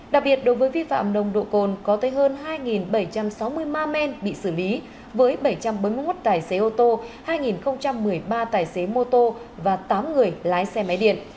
đặc biệt đối với vi phạm nồng độ cồn có tới hơn hai bảy trăm sáu mươi ma men bị xử lý với bảy trăm bốn mươi một tài xế ô tô hai một mươi ba tài xế mô tô và tám người lái xe máy điện